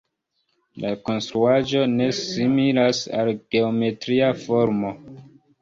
La konstruaĵo ne similas al geometria formo.